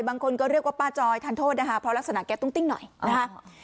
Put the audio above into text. บางคนก็เรียกว่าป้าจอยทานโทษนะคะเพราะลักษณะแกตุ้งติ้งหน่อยนะคะ